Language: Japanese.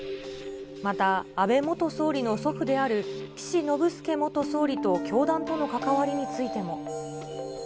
また、安倍元総理の祖父である、岸信介元総理と教団との関わりについても。